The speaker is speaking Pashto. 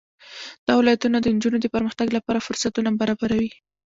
دا ولایتونه د نجونو د پرمختګ لپاره فرصتونه برابروي.